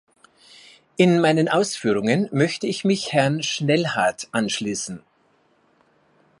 In meinen Ausführungen möchte ich mich Herrn Schnellhardt anschließen.